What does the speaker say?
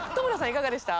いかがでした？